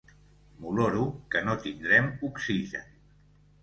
M'oloro que no tindrem oxigen.